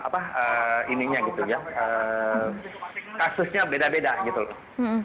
banyak kasusnya beda beda gitu loh